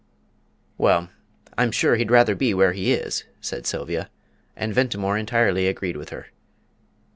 "Well, I'm sure he'd rather be where he is," said Sylvia, and Ventimore entirely agreed with her.